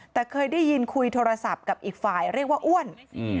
แต่เคยได้ยินคุยโทรศัพท์กับอีกฝ่ายเรียกว่าอ้วน